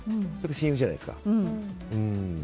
親友じゃないですか。